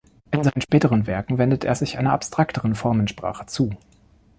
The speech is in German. In seinen späteren Werken wendet er sich einer abstrakteren Formensprache zu.